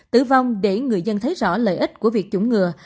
tử vong để người dân thấy rõ lợi ích của việc chủng ngừa